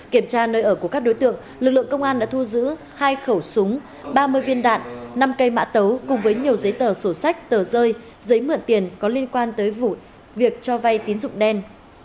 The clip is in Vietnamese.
kiểm tra nơi ở của các đối tượng lực lượng công an đã thu giữ hai khẩu súng ba mươi viên đạn năm cây mã tấu cùng với nhiều giấy tờ sổ sách tờ rơi giấy mượn tiền có liên quan tới vụ việc cho vay tín dụng đen